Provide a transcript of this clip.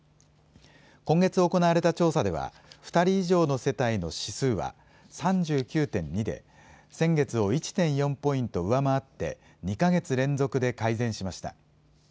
今月行われた調査では２人以上の世帯の指数は３９．２で先月を１．４ポイント上回って２か月連続で改善しました。